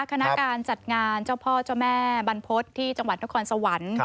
คณะการจัดงานเจ้าพ่อเจ้าแม่บรรพฤษที่จังหวัดนครสวรรค์